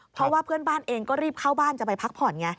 เพราะว่าเพื่อนบ้านเองก็รีบเข้าบ้านจะไปพักผ่อนไง